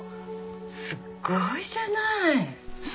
すごいじゃない！